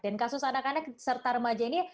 dan kasus anak anak serta remaja ini